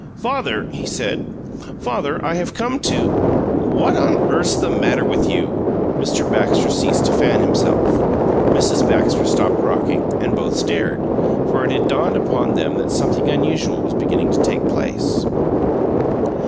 "Father " he said. "Father, I have come to " "What on earth's the matter with you?" Mr. Baxter ceased to fan himself; Mrs. Baxter stopped rocking, and both stared, for it had dawned upon them that something unusual was beginning to take place.